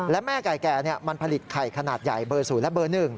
และแม่ไก่แก่มันผลิตไข่ขนาดใหญ่เบอร์๐และเบอร์๑